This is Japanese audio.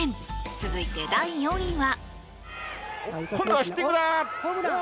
続いて、第４位は。